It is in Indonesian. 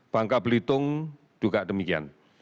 bangka belitung juga demikian